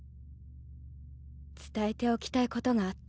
伝えておきたい事があって。